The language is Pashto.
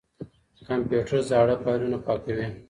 کمپيوټر زاړه فايلونه پاکوي.